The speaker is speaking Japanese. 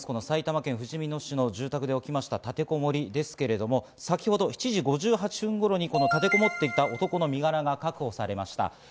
埼玉県ふじみ野市の住宅で起きた立てこもりですけれども先ほど７時５８分頃に立てこもっていた男の身柄が確保されました。